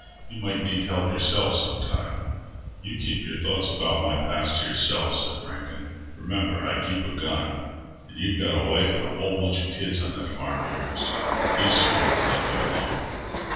You might need help yourself, sometime." "You keep your thoughts about my past to yourself," said Rankin. "Remember, I keep a gun. And you've got a wife and a whole bunch of kids on that farm of yours. Be smart and let me alone."